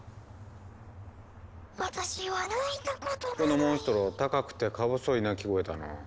このモンストロ高くてかぼそい鳴き声だな。